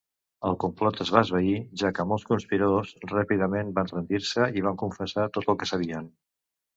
El complot es va esvair ja que molts conspiradors ràpidament van rendir-se i van confessar tot el que sabien.